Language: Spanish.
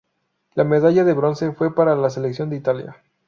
La medalla de bronce fue para la selección de Italia.